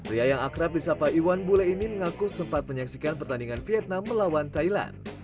pria yang akrab di sapa iwan bule ini mengaku sempat menyaksikan pertandingan vietnam melawan thailand